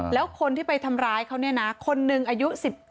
แล้วคนที่ไปทำร้ายเขาเนี่ยนะคนหนึ่งอายุ๑๗